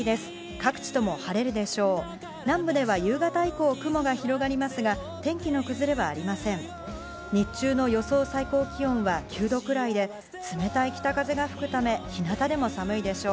各地とも晴れるでしょう。